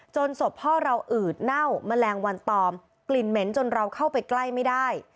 ศพพ่อเราอืดเน่าแมลงวันตอมกลิ่นเหม็นจนเราเข้าไปใกล้ไม่ได้